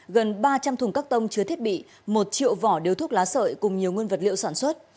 gần ba trăm linh thùng các tông chứa thiết bị một triệu vỏ đều thuốc lá sợi cùng nhiều nguyên vật liệu sản xuất